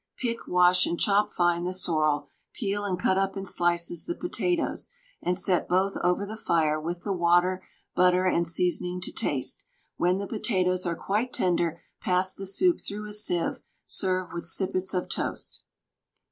Pick, wash, and chop fine the sorrel, peel and cut up in slices the potatoes, and set both over the fire with the water, butter, and seasoning to taste; when the potatoes are quite tender, pass the soup through a sieve. Serve with sippets of toast.